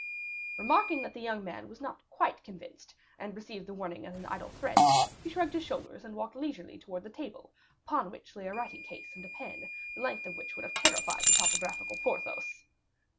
Remarking that the young man was not quite convinced, and received the warning as an idle threat, he shrugged his shoulders and walked leisurely towards the table, upon which lay a writing case and a pen, the length of which would have terrified the topographical Porthos.